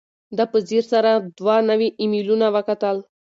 ده په ځیر سره دوه نوي ایمیلونه وکتل.